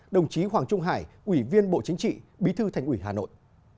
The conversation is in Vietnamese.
đồng chí hoàng trung hải ủy viên bộ chính trị bí thư thành ủy hà nội